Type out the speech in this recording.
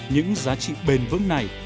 những giá trị bền vững này